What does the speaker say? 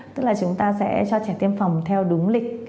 tức là chúng ta sẽ cho trẻ tiêm phòng theo đúng lịch